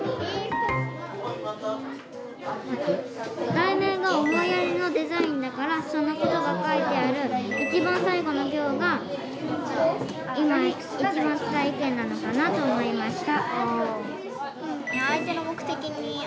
題名が「思いやりのデザイン」だからそのことが書いてある一番最後の行が今一番、伝えたい意見なのかなと思いました。